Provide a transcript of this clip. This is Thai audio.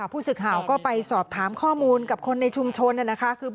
ผู้ศึกหาวก็ไปสอบถามข้อมูลกับคนในชุมชน